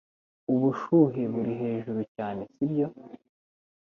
Ubushuhe buri hejuru cyane sibyo